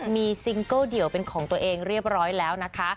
มีซิงเกิลเดี่ยวเป็นของตัวเองเรียบร้อยแล้วนะคะ